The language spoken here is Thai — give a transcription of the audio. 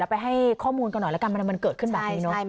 ไปให้ข้อมูลกันหน่อยแล้วกันมันเกิดขึ้นแบบนี้เนอะ